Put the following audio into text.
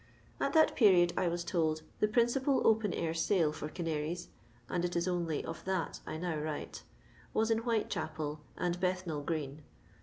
At that period, I was told, the principal open air sale for canaries (and it is only of that I now write) was in Whitechapel and Bethnal green.